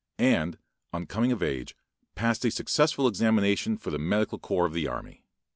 and, on coming of age passed a successful examination for the medical corps of the army.